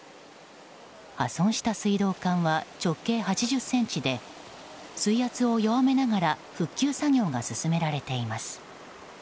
破損した水道管は直径８０ｃｍで水圧を弱めながら復旧作業が進められています。